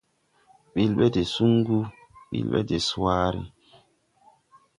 Bil ɓɛ de sungu, bil ɓɛ de sùwàare.